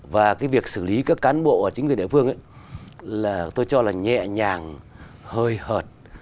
và cái việc xử lý các cán bộ ở chính quyền địa phương tôi cho là nhẹ nhàng hơi hợt